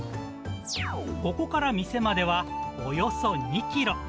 ここから店まではおよそ２キロ。